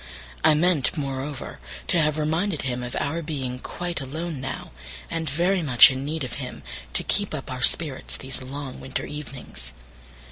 I meant, moreover, to have reminded him of our being quite alone now, and very much in need of him to keep up our spirits these long winter evenings.